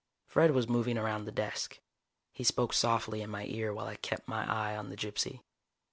Fred was moving around the desk. He spoke softly in my ear while I kept my eye on the gypsy.